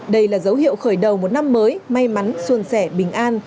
đây là dấu hiệu khởi đầu một năm mới may mắn xuân sẻ bình an